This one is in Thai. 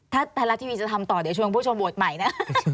ถ้าทางรัฐทีวีจะทำต่อเดี๋ยวช่วงผู้ชมโบสถ์ใหม่น่ะ